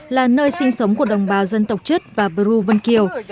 là nơi sinh sống của đồng bào dân tộc chất và bru vân kiều